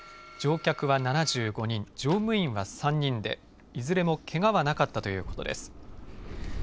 乗客は７５人、乗務員は３人でいずれもけがはなかったということです。